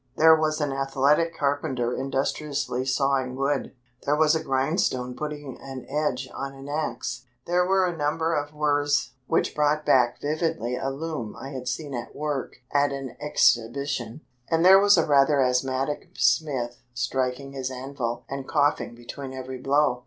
There was an athletic carpenter industriously sawing wood. There was a grindstone putting an edge on an axe. There were a number of whirrs, which brought back vividly a loom I had seen at work at an exhibition, and there was a rather asthmatic smith striking his anvil and coughing between every blow.